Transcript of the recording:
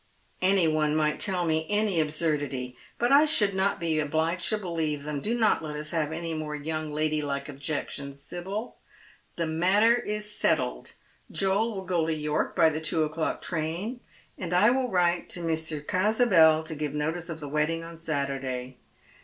"Any one might tell me any absurdity, but I should not be obliged to believe them. Do not let us have any more young lady like objections, Sibyl. The matter is settled. Joel will go to York by tlie two o'clock train, and I will write to ^Mr. Chasubel to give notice of the wedding on Saturday.